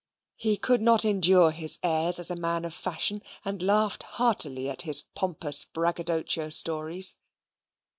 He could not endure his airs as a man of fashion, and laughed heartily at his pompous braggadocio stories.